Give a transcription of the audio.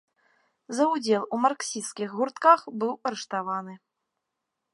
За ўдзел у марксісцкіх гуртках быў арыштаваны.